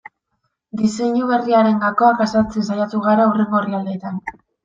Diseinu berriaren gakoak azaltzen saiatu gara hurrengo orrialdeetan.